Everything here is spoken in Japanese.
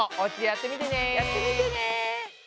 やってみてね。